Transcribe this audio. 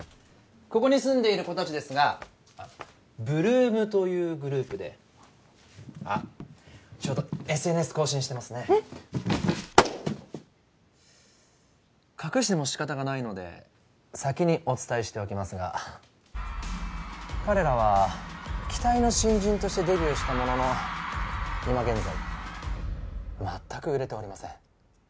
ここに住んでいる子たちですが８ＬＯＯＭというグループであっちょうどＳＮＳ更新してますねえっ隠しても仕方がないので先にお伝えしておきますが彼らは期待の新人としてデビューしたものの今現在まったく売れておりません